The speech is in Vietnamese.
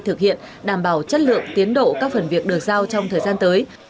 thực hiện đảm bảo chất lượng tiến độ các phần việc được giao trong thời gian tới